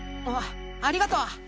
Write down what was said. あありがとう。